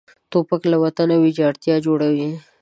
توپک له وطن ویجاړتیا جوړوي.